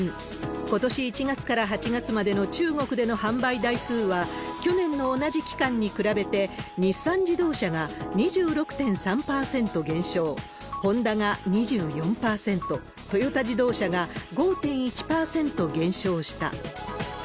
ことし１月から８月までの中国での販売台数は、去年の同じ期間に比べて、日産自動車が２６．３％減少、ホンダが２４％、トヨタ自動車が５．１％減少した。